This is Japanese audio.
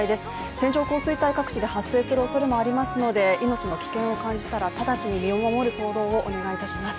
線状降水帯、各地で発生するおそれもありますので命の危険を感じたら直ちに身を守る行動をお願いします。